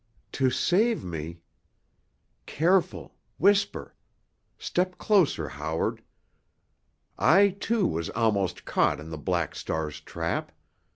"To save me——" "Careful—whisper! Step closer, Howard. I, too, was almost caught in the Black Star's trap.